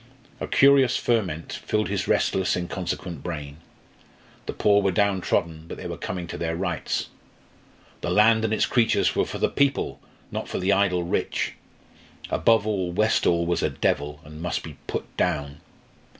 A curious ferment filled his restless, inconsequent brain. The poor were downtrodden, but they were coming to their rights. The land and its creatures were for the people! not for the idle rich. Above all, Westall was a devil, and must be put down.